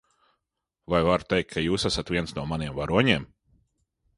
Vai varu teikt, ka jūs esat viens no maniem varoņiem?